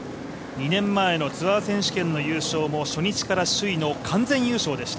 ２年前のツアー選手権の優勝も初日から首位の完全優勝でした。